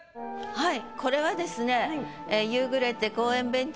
はい。